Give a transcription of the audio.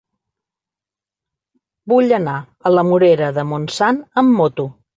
Vull anar a la Morera de Montsant amb moto.